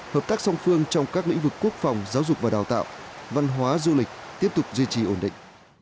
hợp tác song phương trong các lĩnh vực quốc phòng giáo dục và đào tạo văn hóa du lịch tiếp tục duy trì ổn định